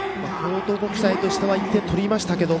京都国際としては１点取りましたけど